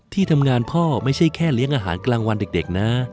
ที่ทำงานพ่อไม่ใช่แค่เลี้ยงอาหารกลางวันเด็กนะ